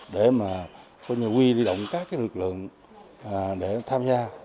để mà có nhiều quy đi động các lực lượng để tham gia